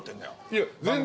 いや全然。